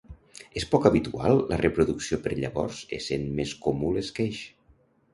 És poc habitual la reproducció per llavors essent més comú l'esqueix.